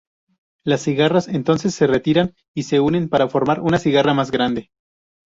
Las cigarras entonces se retiran y se unen para forman una cigarra más grande.